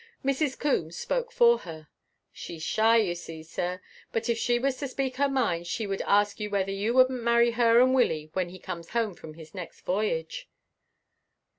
Mrs. Coombes spoke for her. "She's shy, you see, sir. But if she was to speak her mind, she would ask you whether you wouldn't marry her and Willie when he comes home from his next voyage."